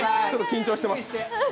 ちょっと緊張してます。